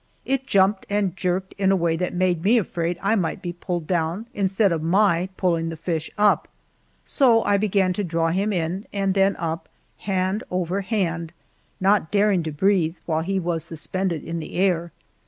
It jumped and jerked in a way that made me afraid I might be pulled down instead of my pulling the fish up, so I began to draw him in, and then up, hand over hand, not daring to breathe while he was suspended in the air.